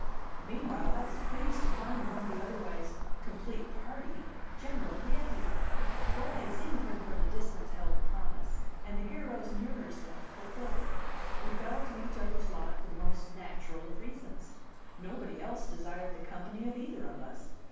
Meanwhile, I was pleased to find among the otherwise complete party General Rieppe. What I had seen of him from a distance held promise, and the hero's nearer self fulfilled it. We fell to each other's lot for the most natural of reasons: nobody else desired the company of either of us.